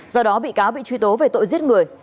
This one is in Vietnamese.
do đó bị cáo bị truy tố về tội giết người